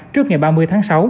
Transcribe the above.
trước ngày ba mươi tháng sáu